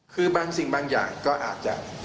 คือบางสิ่งบางอย่างก็อาจจะ